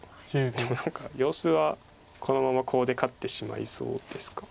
でも何か様子はこのままコウで勝ってしまいそうですか。